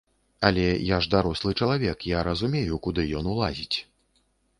Але я ж дарослы чалавек, я разумею, куды ён ўлазіць.